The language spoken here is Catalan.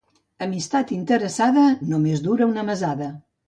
Amistat interessada només dura una mesada.